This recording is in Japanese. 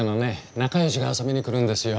仲良しが遊びに来るんですよ。